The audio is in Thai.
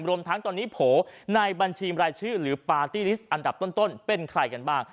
รวมทั้งตอนนี้โผล่ในบัญชีรายชื่อหรือปาร์ตี้ลิสต์อันดับต้นเป็นใครกันบ้าง